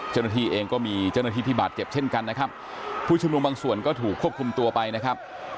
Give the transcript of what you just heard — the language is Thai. เจ้าหน้าที่เองก็มีเจ้าหน้าที่ที่บาดเจ็บเช่นกันนะครับผู้ชุมนุมบางส่วนก็ถูกควบคุมตัวไปนะครับ